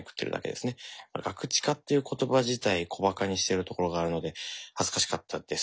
ガクチカっていう言葉自体小バカにしているところがあるので恥ずかしかったです。